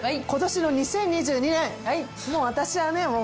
今年の２０２２年もう私はね